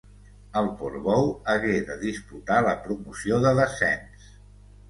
El Port-Bou hagué de disputar la promoció de descens.